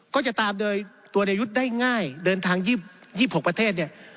ก็จะตามโดยตัวในยุทธ์ได้ง่ายเดินทาง๒๖ประเทศเนี่ย